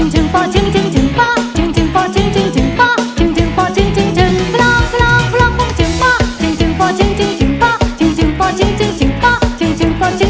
โชคดีครับพี่โฟน